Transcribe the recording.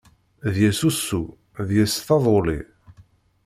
Deg-s usu, deg-s taduli.